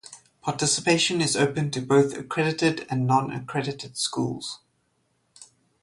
Participation is open to both accredited and non-accredited schools.